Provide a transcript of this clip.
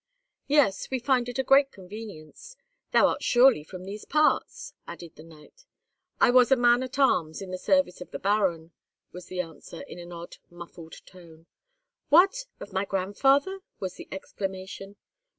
"Yes, we find it a great convenience. Thou art surely from these parts?" added the knight. "I was a man at arms in the service of the Baron," was the answer, in an odd, muffled tone. "What!—of my grandfather!" was the exclamation.